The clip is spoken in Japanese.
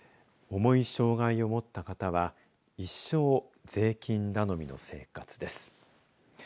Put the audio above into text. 重い障害を持った方は一生、税金頼みの生活です。